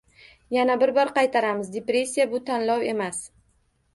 Yana bir bor qaytaramiz: depressiya bu tanlov emas.